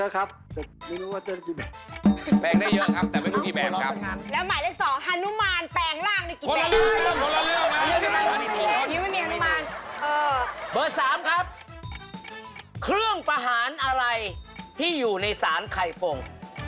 เครื่องประหารอะไรที่อยู่ในสารไข่ฟง